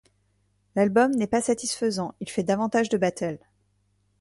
L'album n'est pas satisfaisant, il fait davantage de battles.